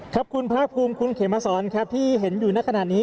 ครับคุณภาคภูมิคุณเขมสอนครับที่เห็นอยู่ในขณะนี้